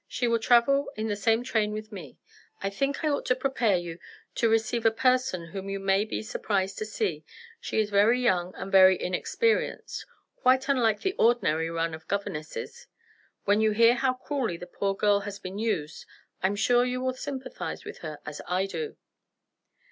She will travel in the same train with me. I think I ought to prepare you to receive a person whom you may be surprised to see. She is very young, and very inexperienced; quite unlike the ordinary run of governesses. When you hear how cruelly the poor girl has been used, I am sure you will sympathize with her as I do."